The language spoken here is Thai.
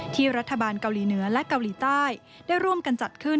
ที่รัฐบาลเกาหลีเหนือและเกาหลีใต้ได้ร่วมกันจัดขึ้น